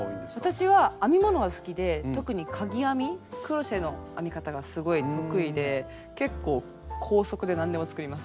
私は編み物が好きで特にかぎ編みクロッシェの編み方がすごい得意で結構高速で何でも作ります。